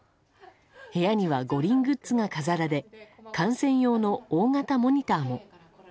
部屋には五輪グッズが飾られ観戦用の大型モニターも。